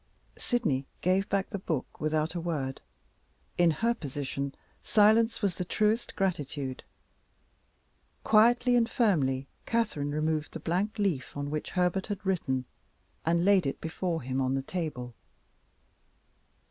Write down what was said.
Sydney gave back the book without a word; in her position silence was the truest gratitude. Quietly and firmly Catherine removed the blank leaf on which Herbert had written, and laid it before him on the table.